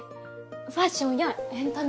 ファッションやエンタメ